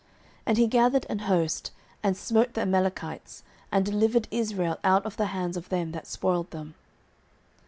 09:014:048 And he gathered an host, and smote the Amalekites, and delivered Israel out of the hands of them that spoiled them.